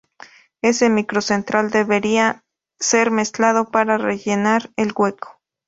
Ese micro central debería ser mezclado para rellenar el hueco.